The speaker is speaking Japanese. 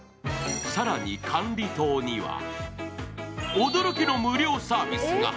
更に管理棟には驚きの無料サービスが。